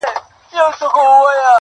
ځكه انجوني وايي له خالو سره راوتي يــو.